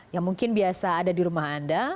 yang mungkin biasa ada di rumah anda